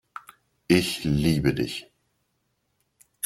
Ich liebe Dich.